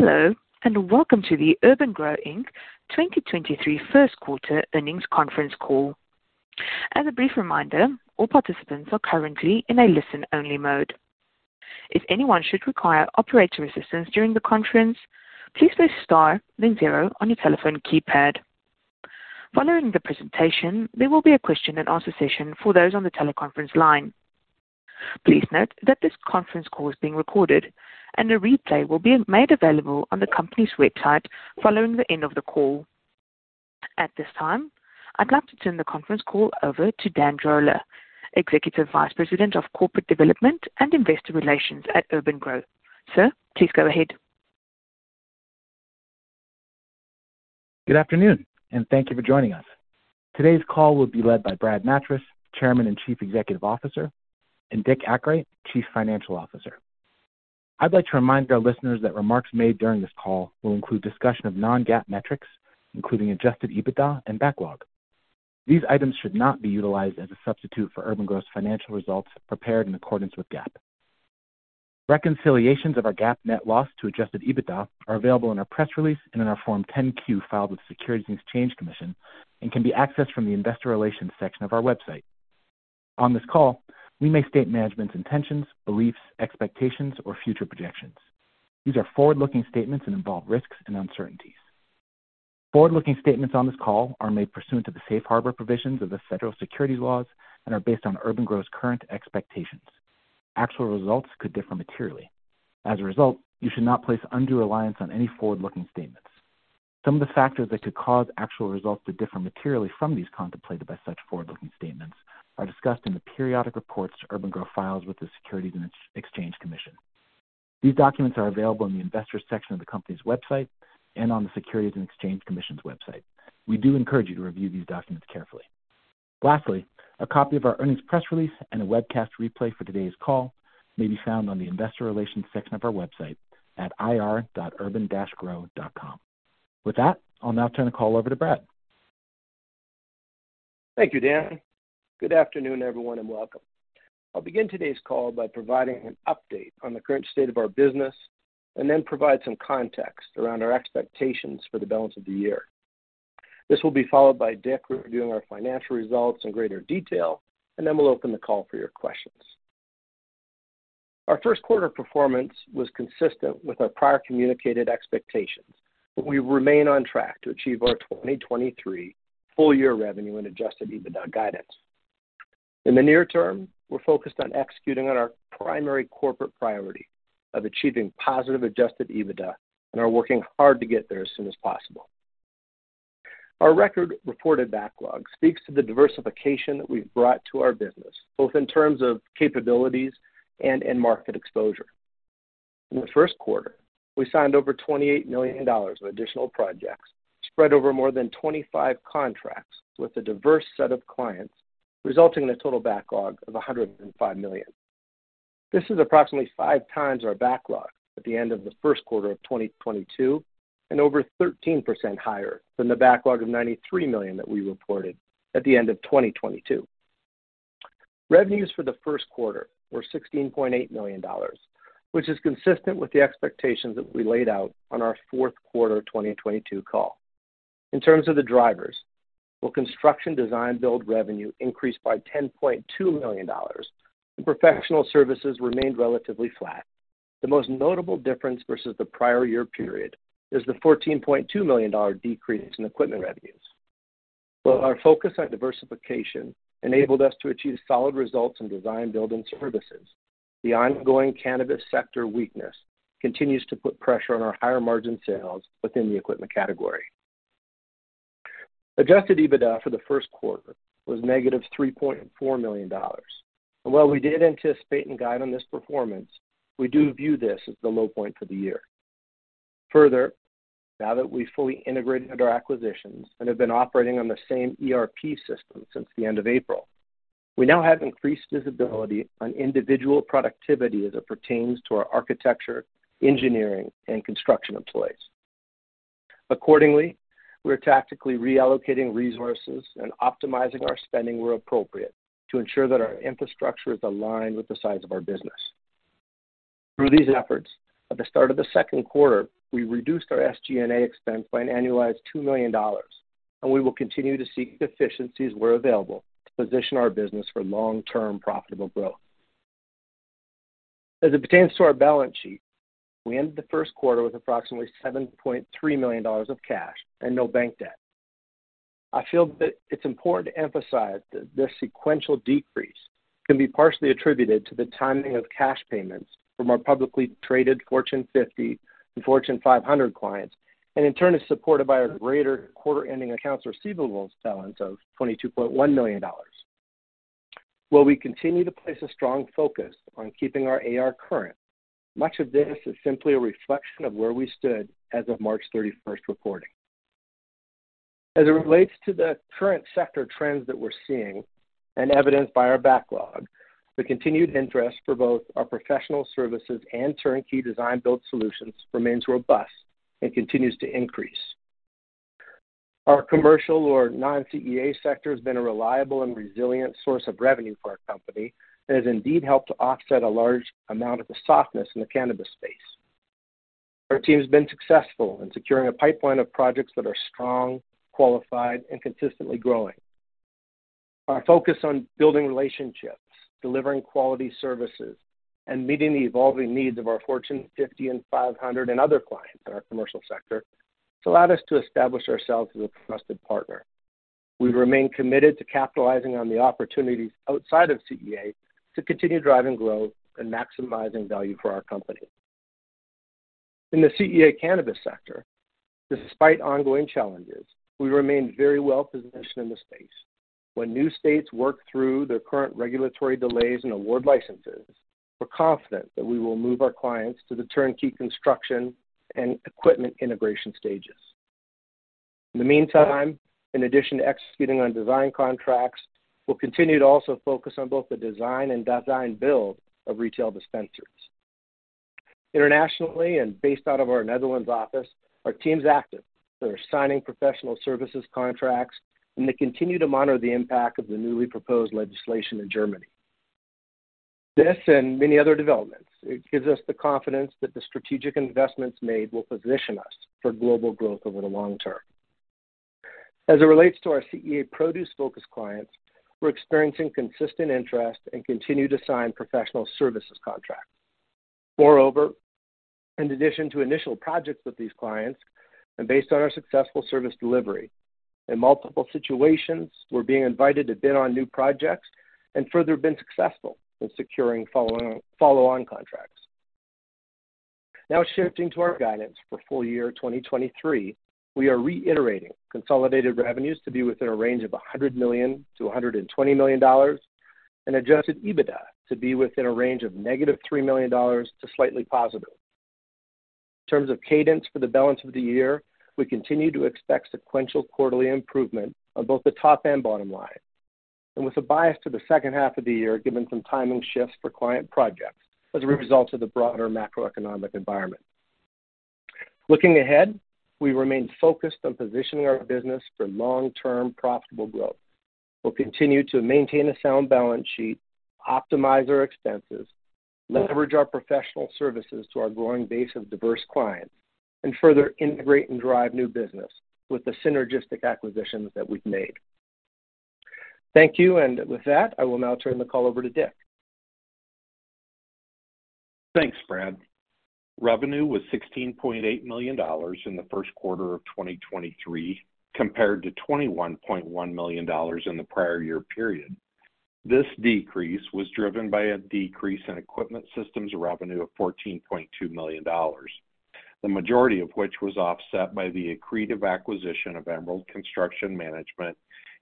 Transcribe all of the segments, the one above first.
Hello, welcome to the urban-Gro, Inc. 2023 first quarter earnings conference call. As a brief reminder, all participants are currently in a listen-only mode. If anyone should require operator assistance during the conference, please press star then zero on your telephone keypad. Following the presentation, there will be a question and answer session for those on the teleconference line. Please note that this conference call is being recorded, and a replay will be made available on the company's website following the end of the call. At this time, I'd like to turn the conference call over to Dan Droller, Executive Vice President of Corporate Development and Investor Relations at urban-Gro. Sir, please go ahead. Good afternoon, and thank you for joining us. Today's call will be led by Brad Nattrass, Chairman and Chief Executive Officer, and Dick Akright, Chief Financial Officer. I'd like to remind our listeners that remarks made during this call will include discussion of non-GAAP metrics, including adjusted EBITDA and backlog. These items should not be utilized as a substitute for urban-gro's financial results prepared in accordance with GAAP. Reconciliations of our GAAP net loss to adjusted EBITDA are available in our press release and in our Form 10-Q filed with the Securities and Exchange Commission and can be accessed from the investor relations section of our website. On this call, we may state management's intentions, beliefs, expectations, or future projections. These are forward-looking statements and involve risks and uncertainties. Forward-looking statements on this call are made pursuant to the safe harbor provisions of the Federal Securities laws and are based on urban-gro's current expectations. Actual results could differ materially. You should not place undue reliance on any forward-looking statements. Some of the factors that could cause actual results to differ materially from these contemplated by such forward-looking statements are discussed in the periodic reports urban-gro files with the Securities and Exchange Commission. These documents are available in the investor section of the company's website and on the Securities and Exchange Commission's website. We do encourage you to review these documents carefully. A copy of our earnings press release and a webcast replay for today's call may be found on the investor relations section of our website at ir.urban-gro.com. With that, I'll now turn the call over to Brad. Thank you, Dan. Good afternoon, everyone, and welcome. I'll begin today's call by providing an update on the current state of our business and then provide some context around our expectations for the balance of the year. This will be followed by Dick reviewing our financial results in greater detail, and then we'll open the call for your questions. Our first quarter performance was consistent with our prior communicated expectations, but we remain on track to achieve our 2023 full year revenue and adjusted EBITDA guidance. In the near term, we're focused on executing on our primary corporate priority of achieving positive adjusted EBITDA and are working hard to get there as soon as possible. Our record reported backlog speaks to the diversification that we've brought to our business, both in terms of capabilities and in market exposure. In the first quarter, we signed over $28 million of additional projects spread over more than 25 contracts with a diverse set of clients, resulting in a total backlog of $105 million. This is approximately five times our backlog at the end of the first quarter of 2022 and over 13% higher than the backlog of $93 million that we reported at the end of 2022. Revenues for the first quarter were $16.8 million, which is consistent with the expectations that we laid out on our fourth quarter 2022 call. In terms of the drivers, while construction design build revenue increased by $10.2 million, professional services remained relatively flat. The most notable difference versus the prior year period is the $14.2 million decrease in equipment revenues. While our focus on diversification enabled us to achieve solid results in design, build, and services, the ongoing cannabis sector weakness continues to put pressure on our higher margin sales within the equipment category. adjusted EBITDA for the first quarter was negative $3.4 million. While we did anticipate and guide on this performance, we do view this as the low point for the year. Further, now that we've fully integrated our acquisitions and have been operating on the same ERP system since the end of April, we now have increased visibility on individual productivity as it pertains to our architecture, engineering, and construction employees. Accordingly, we're tactically reallocating resources and optimizing our spending where appropriate to ensure that our infrastructure is aligned with the size of our business. Through these efforts, at the start of the second quarter, we reduced our SG&A expense by an annualized $2 million. We will continue to seek efficiencies where available to position our business for long-term profitable growth. As it pertains to our balance sheet, we ended the first quarter with approximately $7.3 million of cash and no bank debt. I feel that it's important to emphasize that this sequential decrease can be partially attributed to the timing of cash payments from our publicly traded Fortune 50 and Fortune 500 clients. In turn is supported by our greater quarter-ending accounts receivable balance of $22.1 million. While we continue to place a strong focus on keeping our AR current, much of this is simply a reflection of where we stood as of March 31st reporting. As it relates to the current sector trends that we're seeing, and evidenced by our backlog, the continued interest for both our professional services and turnkey design build solutions remains robust and continues to increase. Our commercial or non-CEA sector has been a reliable and resilient source of revenue for our company. It has indeed helped to offset a large amount of the softness in the cannabis space. Our team's been successful in securing a pipeline of projects that are strong, qualified, and consistently growing. Our focus on building relationships, delivering quality services, and meeting the evolving needs of our Fortune 50 and 500 and other clients in our commercial sector has allowed us to establish ourselves as a trusted partner. We remain committed to capitalizing on the opportunities outside of CEA to continue driving growth and maximizing value for our company. In the CEA cannabis sector, despite ongoing challenges, we remain very well-positioned in the space. When new states work through their current regulatory delays and award licenses, we're confident that we will move our clients to the turnkey construction and equipment integration stages. In the meantime, in addition to executing on design contracts, we'll continue to also focus on both the design and design-build of retail dispensers. Internationally and based out of our Netherlands office, our team's active. They're signing professional services contracts, and they continue to monitor the impact of the newly proposed legislation in Germany. This and many other developments, it gives us the confidence that the strategic investments made will position us for global growth over the long term. As it relates to our CEA produce-focused clients, we're experiencing consistent interest and continue to sign professional services contracts. Moreover, in addition to initial projects with these clients and based on our successful service delivery, in multiple situations, we're being invited to bid on new projects and further been successful in securing follow-on contracts. Shifting to our guidance for full year 2023, we are reiterating consolidated revenues to be within a range of $100 million-$120 million and adjusted EBITDA to be within a range of -$3 million to slightly positive. In terms of cadence for the balance of the year, we continue to expect sequential quarterly improvement on both the top and bottom line, and with a bias to the second half of the year given some timing shifts for client projects as a result of the broader macroeconomic environment. Looking ahead, we remain focused on positioning our business for long-term profitable growth. We'll continue to maintain a sound balance sheet, optimize our expenses, leverage our professional services to our growing base of diverse clients, and further integrate and drive new business with the synergistic acquisitions that we've made. Thank you. With that, I will now turn the call over to Dick. Thanks, Brad. Revenue was $16.8 million in the first quarter of 2023 compared to $21.1 million in the prior year period. This decrease was driven by a decrease in equipment systems revenue of $14.2 million, the majority of which was offset by the accretive acquisition of Emerald Construction Management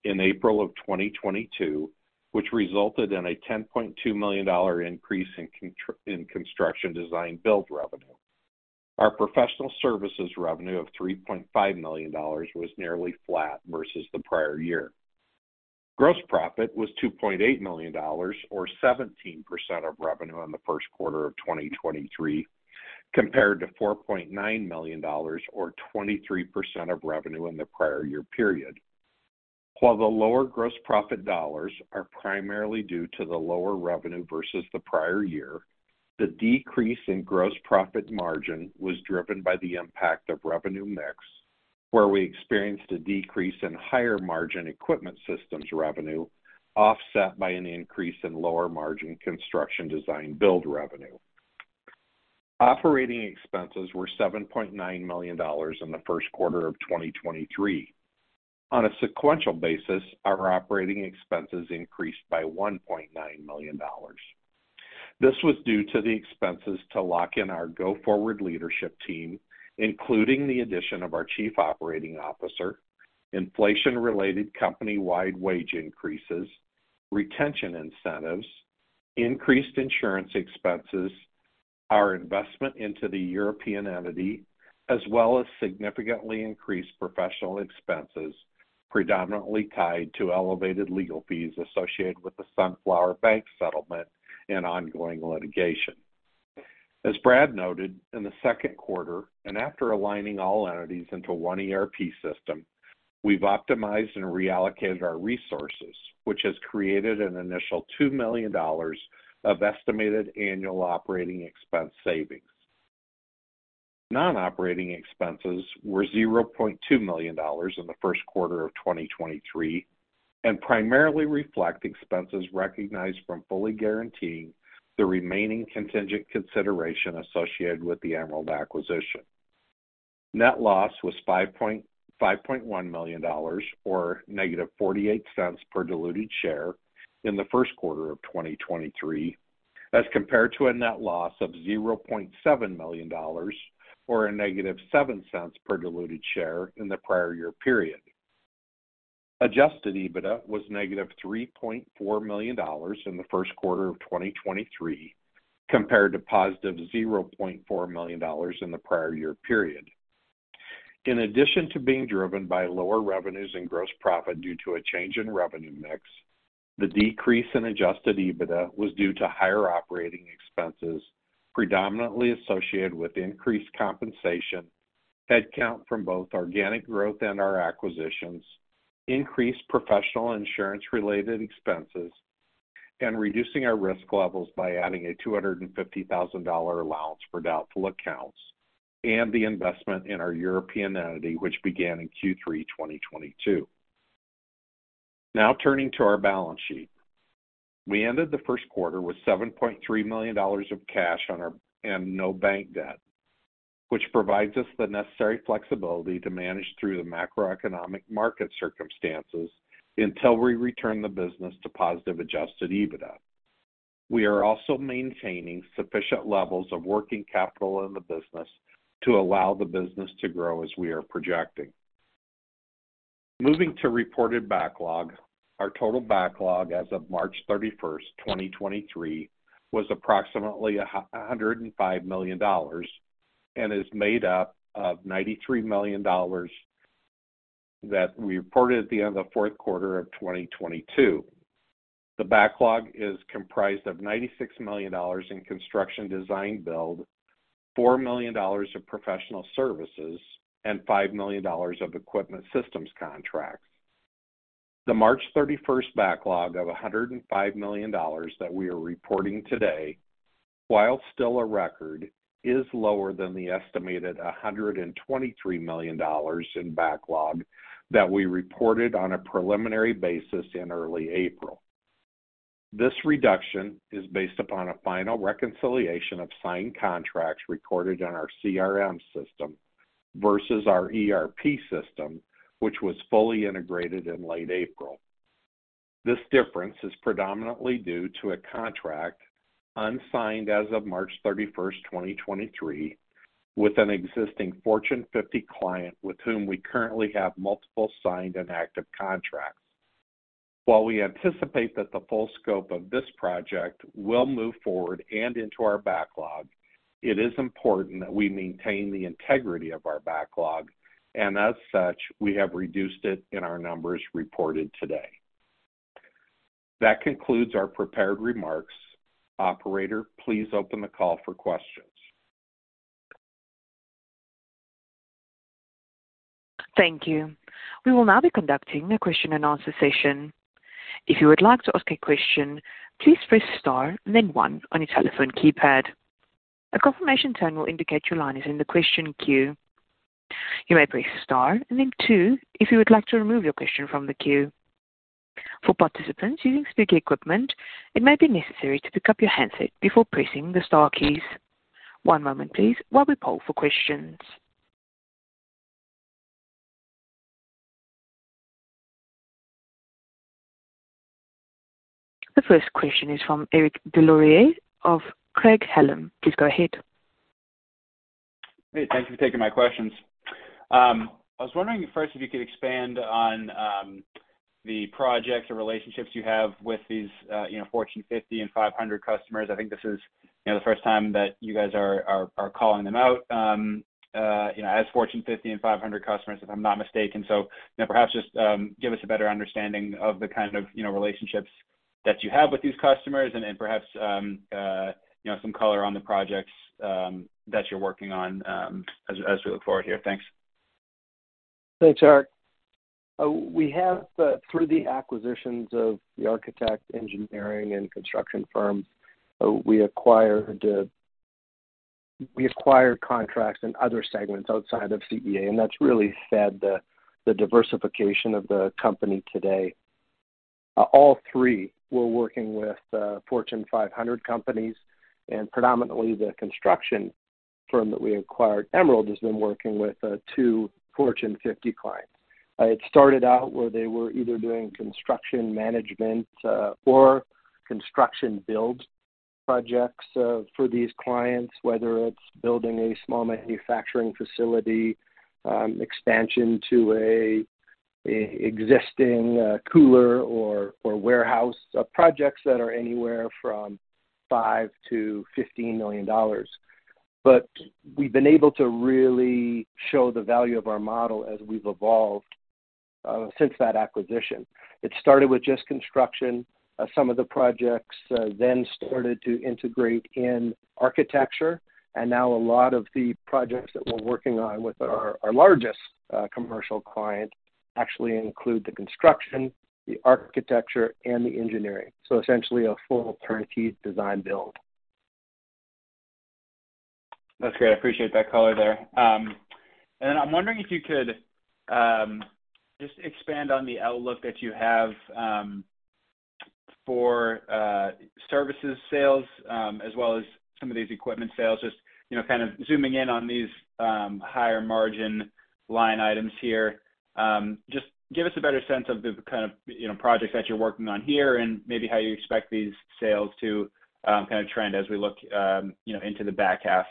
in April of 2022, which resulted in a $10.2 million increase in construction design build revenue. Our professional services revenue of $3.5 million was nearly flat versus the prior year. Gross profit was $2.8 million or 17% of revenue in the first quarter of 2023, compared to $4.9 million or 23% of revenue in the prior year period. While the lower gross profit dollars are primarily due to the lower revenue versus the prior year, the decrease in gross profit margin was driven by the impact of revenue mix, where we experienced a decrease in higher-margin equipment systems revenue offset by an increase in lower-margin construction design build revenue. Operating expenses were $7.9 million in the first quarter of 2023. On a sequential basis, our operating expenses increased by $1.9 million. This was due to the expenses to lock in our go-forward leadership team, including the addition of our Chief Operating Officer, inflation-related company-wide wage increases, retention incentives, increased insurance expenses, our investment into the European entity, as well as significantly increased professional expenses, predominantly tied to elevated legal fees associated with the Sunflower Bank settlement and ongoing litigation. As Brad noted, in the second quarter, after aligning all entities into one ERP system, we've optimized and reallocated our resources, which has created an initial $2 million of estimated annual operating expense savings. Non-operating expenses were $0.2 million in the first quarter of 2023 and primarily reflect expenses recognized from fully guaranteeing the remaining contingent consideration associated with the Emerald acquisition. Net loss was $5.1 million or -$0.48 per diluted share in the first quarter of 2023, as compared to a net loss of $0.7 million or -$0.07 per diluted share in the prior-year period. Adjusted EBITDA was -$3.4 million in the first quarter of 2023 compared to +$0.4 million in the prior-year period. In addition to being driven by lower revenues and gross profit due to a change in revenue mix. The decrease in adjusted EBITDA was due to higher operating expenses, predominantly associated with increased compensation, headcount from both organic growth and our acquisitions, increased professional insurance related expenses, and reducing our risk levels by adding a $250,000 allowance for doubtful accounts, and the investment in our European entity, which began in Q3 2022. Turning to our balance sheet. We ended the first quarter with $7.3 million of cash on our and no bank debt, which provides us the necessary flexibility to manage through the macroeconomic market circumstances until we return the business to positive adjusted EBITDA. We are also maintaining sufficient levels of working capital in the business to allow the business to grow as we are projecting. Moving to reported backlog. Our total backlog as of March 31, 2023, was approximately $105 million and is made up of $93 million that we reported at the end of the fourth quarter of 2022. The backlog is comprised of $96 million in construction design build, $4 million of professional services, and $5 million of equipment systems contracts. The March 31 backlog of $105 million that we are reporting today, while still a record, is lower than the estimated $123 million in backlog that we reported on a preliminary basis in early April. This reduction is based upon a final reconciliation of signed contracts recorded on our CRM system versus our ERP system, which was fully integrated in late April. This difference is predominantly due to a contract unsigned as of March 31st, 2023, with an existing Fortune 50 client with whom we currently have multiple signed and active contracts. While we anticipate that the full scope of this project will move forward and into our backlog, it is important that we maintain the integrity of our backlog. As such, we have reduced it in our numbers reported today. That concludes our prepared remarks. Operator, please open the call for questions. Thank you. We will now be conducting a question and answer session. If you would like to ask a question, please press star and then one on your telephone keypad. A confirmation tone will indicate your line is in the question queue. You may press star and then two if you would like to remove your question from the queue. For participants using speaker equipment, it may be necessary to pick up your handset before pressing the star keys. One moment please while we poll for questions. The first question is from Eric DesLauriers of Craig-Hallum. Please go ahead. Hey, thank you for taking my questions. I was wondering first if you could expand on the projects or relationships you have with these, you know, Fortune 50 and 500 customers. I think this is, you know, the first time that you guys are calling them out, you know, as Fortune 50 and 500 customers, if I'm not mistaken. Perhaps just give us a better understanding of the kind of, you know, relationships that you have with these customers and perhaps, you know, some color on the projects that you're working on, as we look forward here. Thanks. Thanks, Eric. We have through the acquisitions of the architect engineering and construction firms, we acquired contracts in other segments outside of CEA, and that's really fed the diversification of the company today. All three were working with Fortune 500 companies, and predominantly the construction firm that we acquired, Emerald, has been working with two Fortune 50 clients. It started out where they were either doing construction management, or construction build projects, for these clients, whether it's building a small manufacturing facility, expansion to a existing cooler or warehouse. Projects that are anywhere from $5 million-$15 million. We've been able to really show the value of our model as we've evolved since that acquisition. It started with just construction. Some of the projects then started to integrate in architecture. Now a lot of the projects that we're working on with our largest commercial client actually include the construction, the architecture, and the engineering. Essentially a full turnkey design build. That's great. I appreciate that color there. I'm wondering if you could just expand on the outlook that you have for services sales, as well as some of these equipment sales. Just, you know, kind of zooming in on these higher margin line items here. Just give us a better sense of the kind of, you know, projects that you're working on here and maybe how you expect these sales to kind of trend as we look, you know, into the back half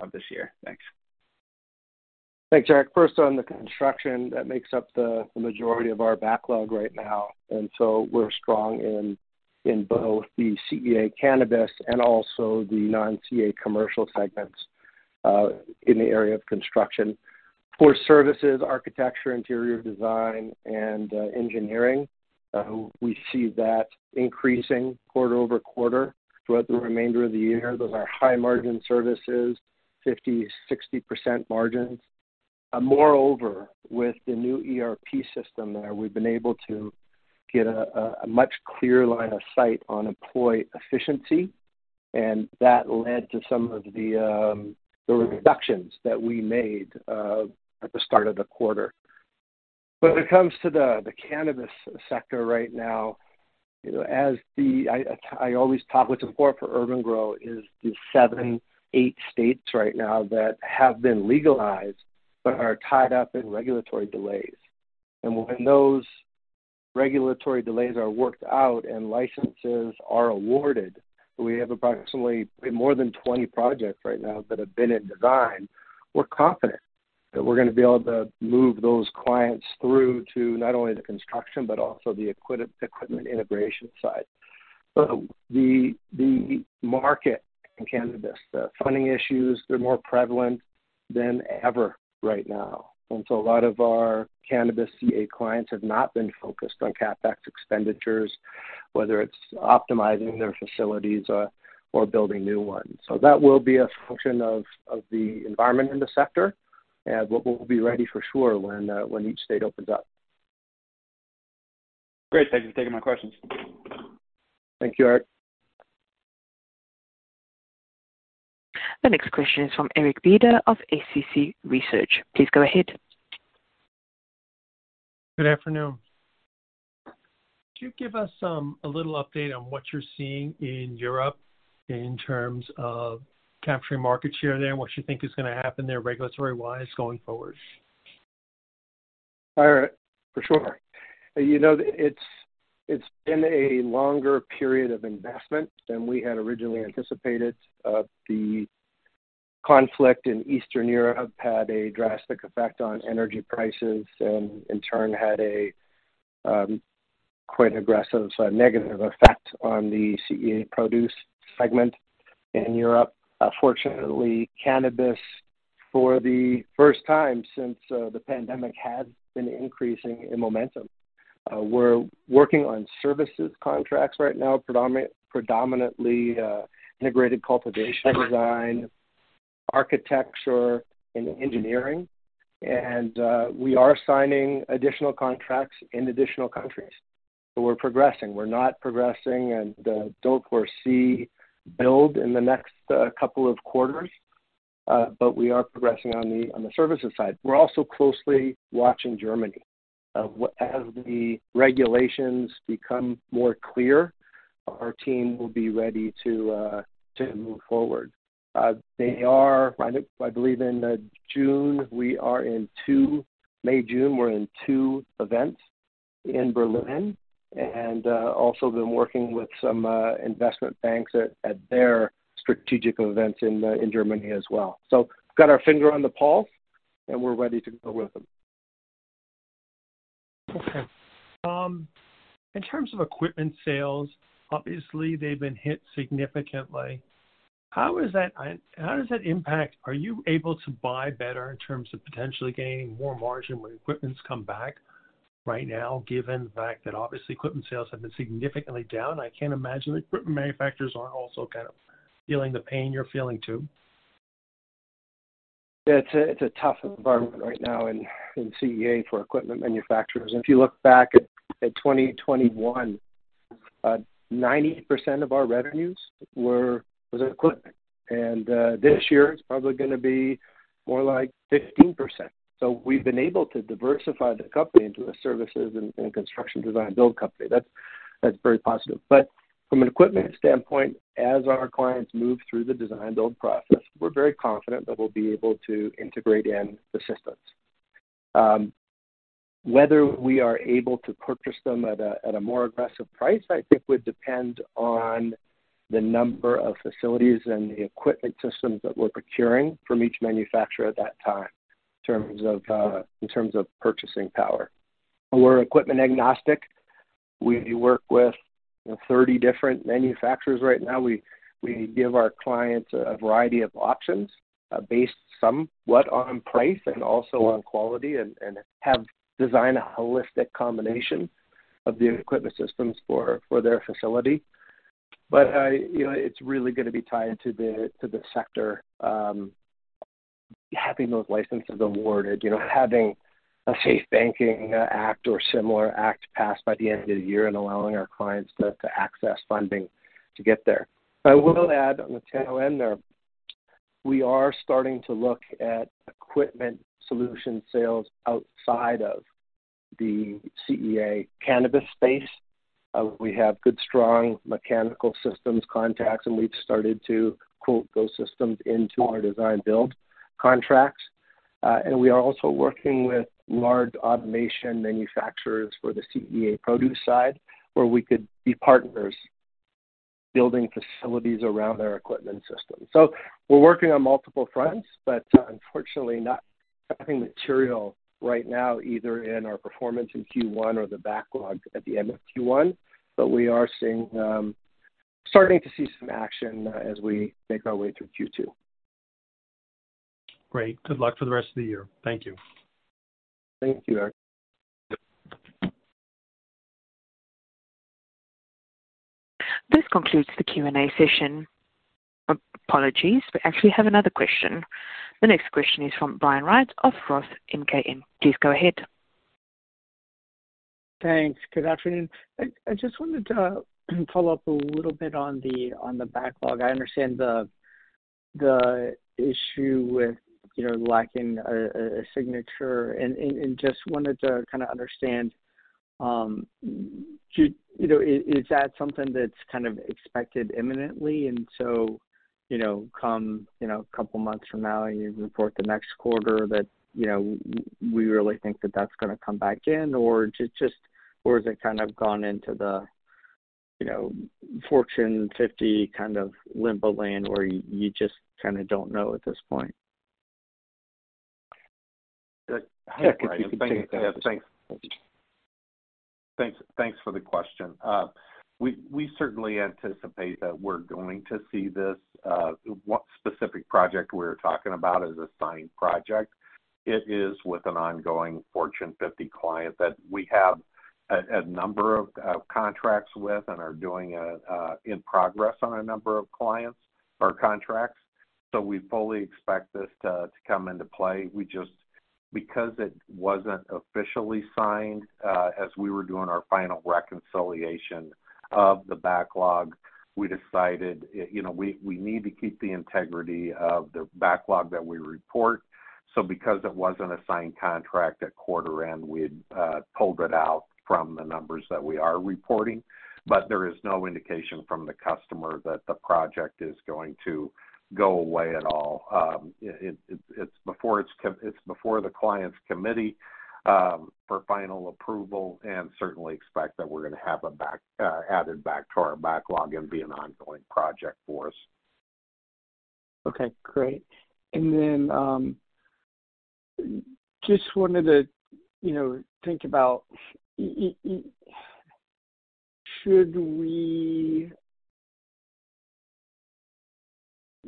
of this year. Thanks. Thanks, Eric. First on the construction, that makes up the majority of our backlog right now. We're strong in both the CEA cannabis and also the non-CEA commercial segments. In the area of construction. For services, architecture, interior design, and engineering, we see that increasing quarter-over-quarter throughout the remainder of the year. Those are high margin services, 50%, 60% margins. Moreover, with the new ERP system there, we've been able to get a much clearer line of sight on employee efficiency, and that led to some of the reductions that we made at the start of the quarter. When it comes to the cannabis sector right now, you know, I always talk what's important for urban-Gro is the seven, eight states right now that have been legalized but are tied up in regulatory delays. When those regulatory delays are worked out and licenses are awarded, we have approximately more than 20 projects right now that have been in design. We're confident that we're gonna be able to move those clients through to not only the construction but also the equipment integration side. The market in cannabis, the funding issues, they're more prevalent than ever right now. A lot of our cannabis CEA clients have not been focused on CapEx expenditures, whether it's optimizing their facilities or building new ones. That will be a function of the environment in the sector and what we'll be ready for sure when each state opens up. Great. Thank you for taking my questions. Thank you, Eric. The next question is from Eric Beder of SCC Research. Please go ahead. Good afternoon. Could you give us a little update on what you're seeing in Europe in terms of capturing market share there and what you think is gonna happen there regulatory-wise going forward? All right. For sure. You know, it's been a longer period of investment than we had originally anticipated. The conflict in Eastern Europe had a drastic effect on energy prices and in turn had a quite aggressive negative effect on the CEA produce segment in Europe. Fortunately, cannabis for the first time since the pandemic has been increasing in momentum. We're working on services contracts right now, predominantly integrated cultivation design, architecture, and engineering. We are signing additional contracts in additional countries. We're progressing. We're not progressing in the build per se in the next couple of quarters, but we are progressing on the services side. We're also closely watching Germany. As the regulations become more clear, our team will be ready to move forward. They are, I believe in, June, we are in two... May, June, we're in two events in Berlin and also been working with some investment banks at their strategic events in Germany as well. Got our finger on the pulse, and we're ready to go with them. Okay. In terms of equipment sales, obviously they've been hit significantly. How does that impact, are you able to buy better in terms of potentially gaining more margin when equipments come back right now, given the fact that obviously equipment sales have been significantly down? I can't imagine the equipment manufacturers aren't also kind of feeling the pain you're feeling too. It's a tough environment right now in CEA for equipment manufacturers. If you look back at 2021, 90% of our revenues was equipment. This year it's probably gonna be more like 15%. We've been able to diversify the company into a services and construction design build company. That's very positive. From an equipment standpoint, as our clients move through the design build process, we're very confident that we'll be able to integrate in the systems. Whether we are able to purchase them at a more aggressive price, I think would depend on the number of facilities and the equipment systems that we're procuring from each manufacturer at that time in terms of purchasing power. We're equipment agnostic. We work with 30 different manufacturers right now. We give our clients a variety of options, based somewhat on price and also on quality and have designed a holistic combination of the equipment systems for their facility. You know, it's really gonna be tied to the sector, having those licenses awarded. You know, having a SAFE Banking Act or similar act passed by the end of the year and allowing our clients to access funding to get there. I will add on the tail end there, we are starting to look at equipment solution sales outside of the CEA cannabis space. We have good, strong mechanical systems contacts, and we've started to quote those systems into our design build contracts. We are also working with large automation manufacturers for the CEA produce side, where we could be partners building facilities around their equipment system. We're working on multiple fronts, but unfortunately not. Nothing material right now, either in our performance in Q1 or the backlog at the end of Q1. We are seeing, starting to see some action as we make our way through Q2. Great. Good luck for the rest of the year. Thank you. Thank you. This concludes the Q&A session. Apologies, we actually have another question. The next question is from Brian Wright of Roth MKM. Please go ahead. Thanks. Good afternoon. I just wanted to follow up a little bit on the backlog. I understand the issue with, you know, lacking a signature and just wanted to kinda understand, do you know, is that something that's kind of expected imminently and so, you know, come, you know, a couple months from now, you report the next quarter that, you know, we really think that that's gonna come back in? Or has it kind of gone into the, you know, Fortune 50 kind of limbo land where you just kinda don't know at this point? Yeah. Yeah, if you could take that. Thanks. Thanks for the question. We certainly anticipate that we're going to see this. One specific project we're talking about is a signed project. It is with an ongoing Fortune 50 client that we have a number of contracts with and are doing a in progress on a number of clients or contracts. We fully expect this to come into play. We just, because it wasn't officially signed, as we were doing our final reconciliation of the backlog, we decided, you know, we need to keep the integrity of the backlog that we report. Because it wasn't a signed contract at quarter end, we'd pulled it out from the numbers that we are reporting. There is no indication from the customer that the project is going to go away at all. It's before the client's committee, for final approval, and certainly expect that we're gonna have added back to our backlog and be an ongoing project for us. Okay, great.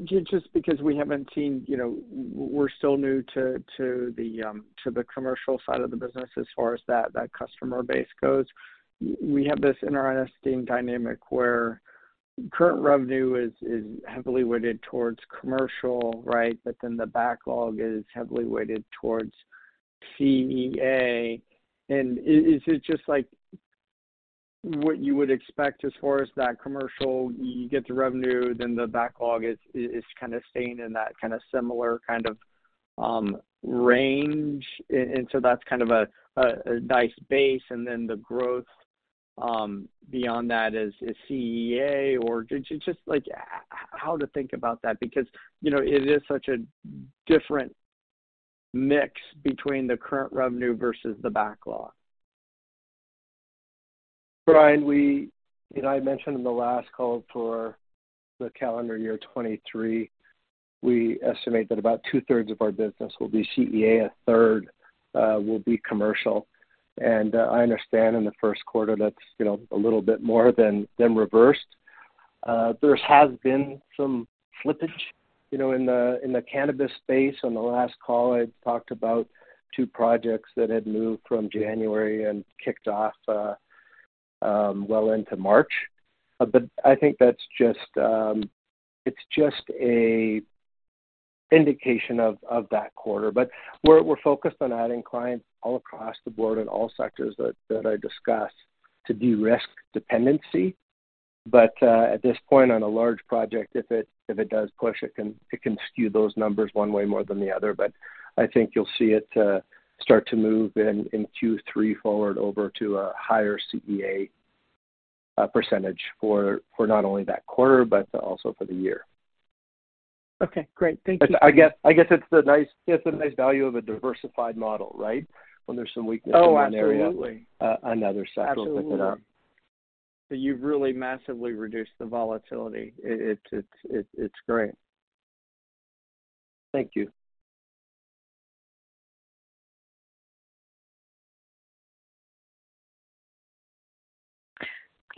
Just because we haven't seen, you know, we're still new to the commercial side of the business as far as that customer base goes. We have this interesting dynamic where current revenue is heavily weighted towards commercial, right? The backlog is heavily weighted towards CEA. Is it just like what you would expect as far as that commercial, you get the revenue, then the backlog is kinda staying in that kinda similar kind of range? That's kind of a nice base, and then the growth beyond that is CEA or... Just like how to think about that because, you know, it is such a different mix between the current revenue versus the backlog. Brian, you know, I mentioned in the last call for the calendar year 2023, we estimate that about 2/3 of our business will be CEA, 1/3 will be commercial. I understand in the first quarter, that's, you know, a little bit more than reversed. There has been some slippage, you know, in the cannabis space. On the last call, I talked about two projects that had moved from January and kicked off well into March. I think that's just, it's just a indication of that quarter. We're focused on adding clients all across the board in all sectors that I discussed to de-risk dependency. At this point on a large project, if it does push, it can skew those numbers one way more than the other. I think you'll see it, start to move in Q3 forward over to a higher CEA percentage for not only that quarter but also for the year. Okay, great. Thank you. I guess it's the nice value of a diversified model, right? When there's some weakness- Oh, absolutely. in one area, another sector will pick it up. You've really massively reduced the volatility. It's great. Thank you.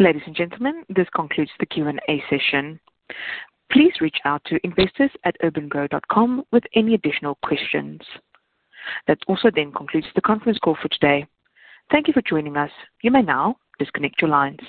Ladies and gentlemen, this concludes the Q&A session. Please reach out to investors@urban-gro.com with any additional questions. That also then concludes the conference call for today. Thank you for joining us. You may now disconnect your lines.